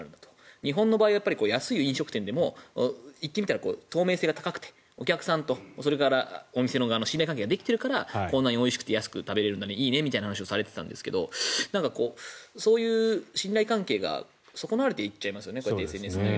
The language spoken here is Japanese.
日本の場合は安い飲食店でも透明性が高くてお客さんと、それからお店側の信頼関係ができているからこそこんなにおいしくて安く食べれるんだねいいねって話をされていたんですけどそういう信頼関係が損なわれていっちゃいますよね。